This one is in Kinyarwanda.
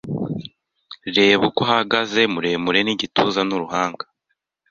Reba uko ahagaze muremure n'igituza n'uruhanga